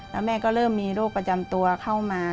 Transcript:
แล้วแม่ก็เริ่มมีโรคประจำตัวเข้ามา